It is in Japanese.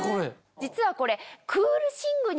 実はこれ。